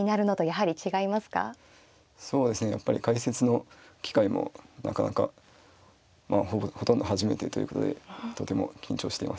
やっぱり解説の機会もなかなかまあほとんど初めてということでとても緊張しています。